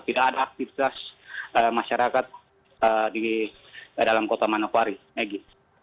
tidak ada aktivitas masyarakat di dalam kota manukwari